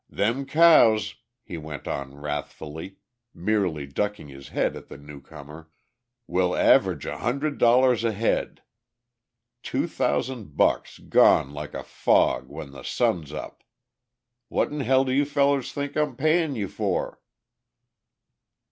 "Them cows," he went on wrathfully, merely ducking his head at the new comer, "will average a hundred dollars a head. Two thousan' bucks gone like a fog when the sun's up! What in hell do you fellers think I'm payin' you for?"